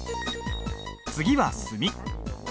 次は墨。